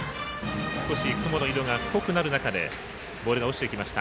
少し雲の色が濃くなる中でボールが落ちていきました。